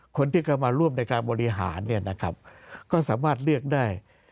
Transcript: คนที่เข้ามาร่วมในการบริหารเนี่ยนะครับก็สามารถเลือกได้